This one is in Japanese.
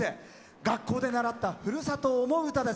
学校で習ったふるさとを思う歌です。